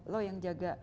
lo yang jaga